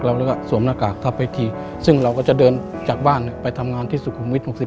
เราก็สวมหน้ากากทับเวทีซึ่งเราก็จะเดินจากบ้านไปทำงานที่สุขุมวิท๖๐